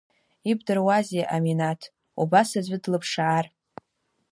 Ибдыруазеи Аминаҭ убас аӡәы длыԥшаар.